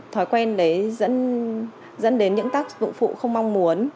thói quen đấy dẫn đến những tác dụng phụ không mong muốn